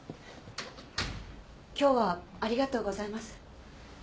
今日はありがとうございます。